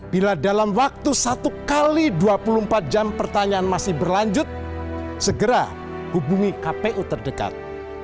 bila dalam waktu satu x dua puluh empat jam pertanyaan masih berlanjut segera hubungi kpu terdekat